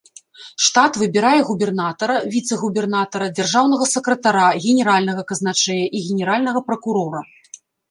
Штат выбірае губернатара, віцэ-губернатара, дзяржаўнага сакратара, генеральнага казначэя і генеральнага пракурора.